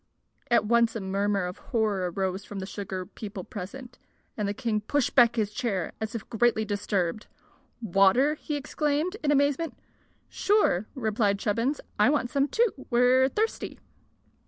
At once a murmur of horror arose from the sugar people present, and the king pushed back his chair as if greatly disturbed. "Water!" he exclaimed, in amazement. "Sure," replied Chubbins. "I want some, too. We're thirsty."